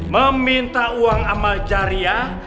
meminta uang amal jariah